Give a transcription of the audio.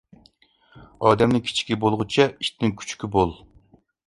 ئادەمنىڭ كىچىكى بولغۇچە، ئىتنىڭ كۈچۈكى بول.